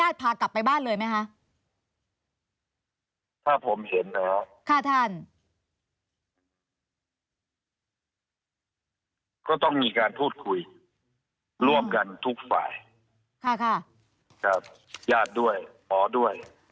ก็ต้องมีการพูดคุยร่วมกันทุกฝ่ายค่ะครับญาติด้วยหมอด้วย